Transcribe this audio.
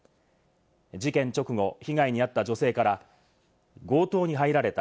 事件直後、被害に遭った女性から強盗に入られた。